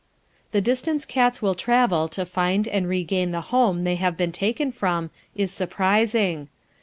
The distance cats will travel to find and regain the home they have been taken from is surprising.